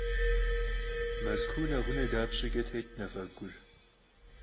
Moskva neğune dapşeç'e têt maf'egur?